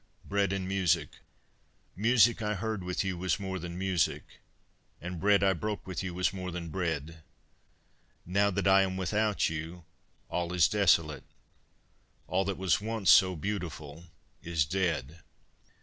(Bread and Music) MUSIC I heard with you was more than music, And bread I broke with you was more than bread; Now that I am without you, all is desolate; All that was once so beautiful is dead.